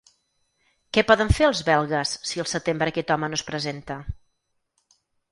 Què poden fer els belgues si al setembre aquest home no es presenta?